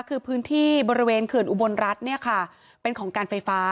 คือพื้นที่บริเวณเขื่อนอุบรรณรัชน์เป็นของการไฟฟ้า